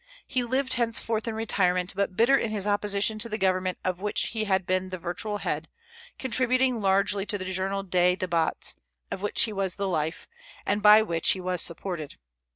He lived henceforth in retirement, but bitter in his opposition to the government of which he had been the virtual head, contributing largely to the "Journal des Débats," of which he was the life, and by which he was supported.